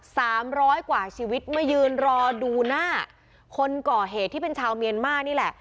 สามร้อยกว่าชีวิตมายืนรอดูหน้าคนก่อเหตุที่เป็นชาวเมียนมานี่แหละ